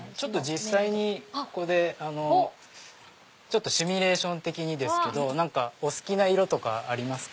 実際にここでシミュレーション的にですけどお好きな色とかありますか？